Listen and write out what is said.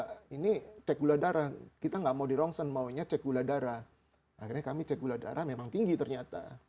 karena ini cek gula darah kita nggak mau di rongsen maunya cek gula darah akhirnya kami cek gula darah memang tinggi ternyata